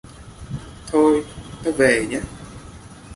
Thôi tao về nhé